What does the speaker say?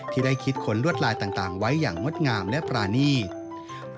ที่ได้คิดขนลวดลายต่างไว้อย่างงดงามและปรานีต